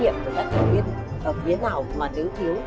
phòng đây em xem đi